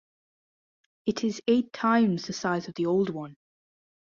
It is eight times the size of the old one.